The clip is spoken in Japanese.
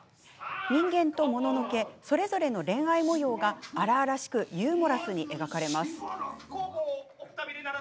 人間ともののけそれぞれの恋愛もようが荒々しくユーモラスに描かれます。